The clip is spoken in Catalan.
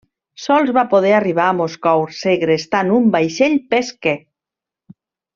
Sols va poder arribar a Moscou segrestant un vaixell pesquer.